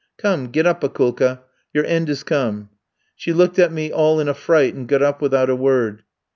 "'Come, get up, Akoulka; your end is come.' "She looked at me all in a fright, and got up without a word.